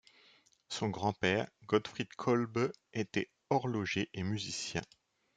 Son grand-père, Gottfried Kolbe, était horloger et musicien.